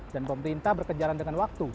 dan pemerintah berkejaran dengan waktu